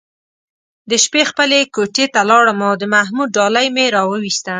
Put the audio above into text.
د شپې خپلې کوټې ته لاړم او د محمود ډالۍ مې راوویسته.